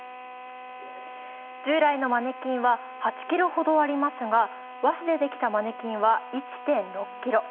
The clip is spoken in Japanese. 従来のマネキンは８ｋｇほどありますが、和紙でできたマネキンは１．６ｋｇ。